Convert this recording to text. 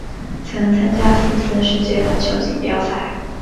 曾参加四次世界篮球锦标赛。